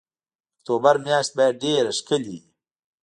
اکتوبر میاشت باید ډېره ښکلې وي.